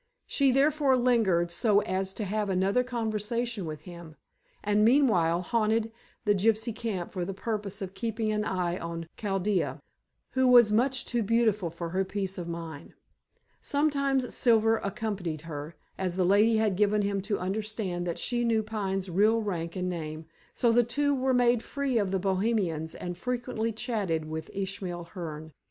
She therefore lingered so as to have another conversation with him, and meanwhile haunted the gypsy camp for the purpose of keeping an eye on Chaldea, who was much too beautiful for her peace of mind. Sometimes Silver accompanied her, as the lady had given him to understand that she knew Pine's real rank and name, so the two were made free of the Bohemians and frequently chatted with Ishmael Hearne.